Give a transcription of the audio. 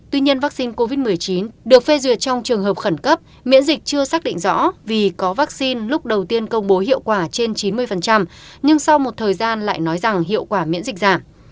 tuy nhiên vaccine covid một mươi chín được phê duyệt trong trường hợp khẩn cấp miễn dịch chưa xác định rõ vì có vaccine lúc đầu tiên công bố hiệu quả trên chín mươi nhưng sau một thời gian lại nói rằng hiệu quả miễn dịch giảm